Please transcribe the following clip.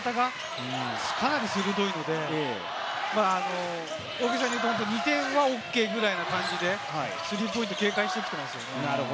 そこのディナイの張り方がかなり鋭いので、大げさに言うと２点はＯＫくらいな感じでスリーポイントを警戒してきていますよね。